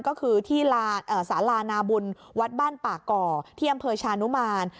ก็คือที่สารานาบุญวัดบ้านป่าก่อที่อำเภอชานุมาน